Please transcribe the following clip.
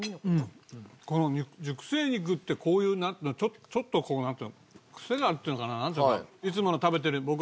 この熟成肉ってこういうなんていうのちょっとこうなんていうのクセがあるっていうのかななんていうか。